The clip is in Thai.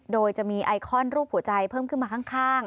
โดยจะมีไอคอนรูปหัวใจเพิ่มขึ้นมาข้าง